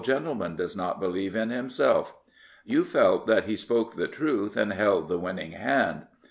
gentleman does not believe in himself," you felt that he spoke the truth and held the winning hand.